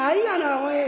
おい。